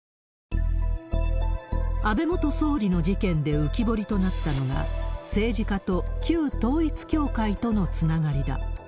安倍元総理の事件で浮き彫りとなったのが、政治家と旧統一教会とのつながりだ。